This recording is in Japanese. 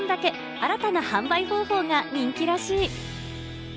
新たな販売方法が人気らしい。